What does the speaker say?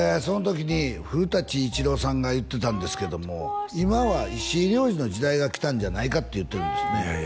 その時に古伊知郎さんが言ってたんですけども今は石井亮次の時代がきたんじゃないかって言ってるんですね